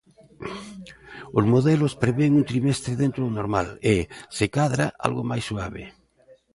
Os modelos prevén un trimestre dentro do normal e, se cadra, algo máis suave.